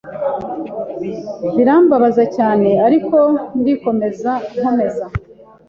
birambabaza cyane ariko ndikomeza nkomeza